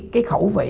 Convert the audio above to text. cái khẩu vị